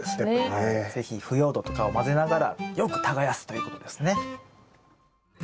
是非腐葉土とかを混ぜながらよく耕すということですね。